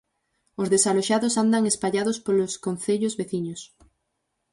Os desaloxados andan espallados polos concellos veciños.